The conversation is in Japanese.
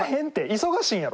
忙しいんやろ？